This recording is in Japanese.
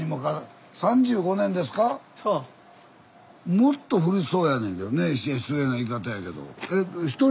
もっと古そうやねんけどね失礼な言い方やけど。